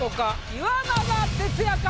岩永徹也か？